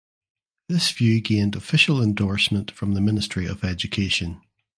This view gained official endorsement from the Ministry of Education.